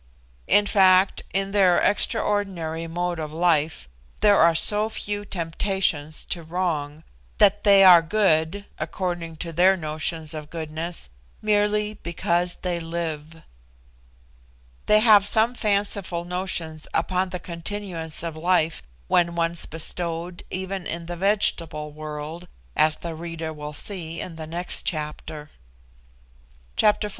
In fact, in their extraordinary mode of life. There are so few temptations to wrong, that they are good (according to their notions of goodness) merely because they live. They have some fanciful notions upon the continuance of life, when once bestowed, even in the vegetable world, as the reader will see in the next chapter. Chapter XIV.